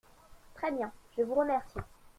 Très bien, je vous remercie.